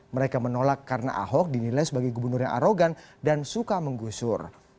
mereka menolak karena ahok dinilai sebagai gubernur yang arogan dan suka menggusur